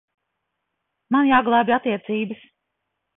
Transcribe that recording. Man jāglābj attiecības.